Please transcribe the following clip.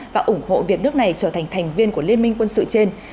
và ủng hộ việc nước này trở thành thành viên của liên minh quân sự trên